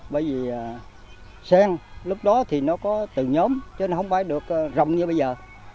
bởi vì sen lúc đó thì nó có từng nhóm chứ nó không phải được rộng như bây giờ